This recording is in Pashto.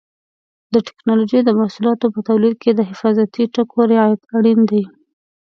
د ټېکنالوجۍ د محصولاتو په تولید کې د حفاظتي ټکو رعایت اړین دی.